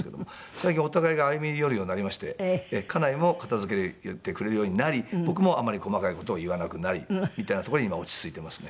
最近お互いが歩み寄るようになりまして家内も片付けてくれるようになり僕もあまり細かい事を言わなくなりみたいなところに今落ち着いてますね。